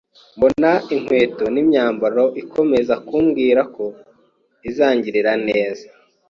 mbona ikweto n’imyambaro ikomeza kumbwirako izangirira neza.